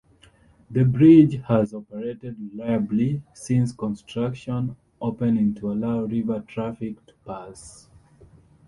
The bridge has operated reliably since construction, opening to allow river traffic to pass.